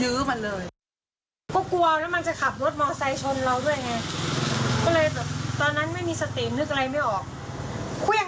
ก็เลยตอนนั้นไม่มีสตินนึกอะไรไม่ออก